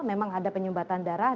memang ada penyumbatan darah